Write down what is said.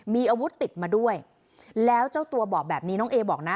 มีอาวุธติดมาด้วยแล้วเจ้าตัวบอกแบบนี้น้องเอบอกนะ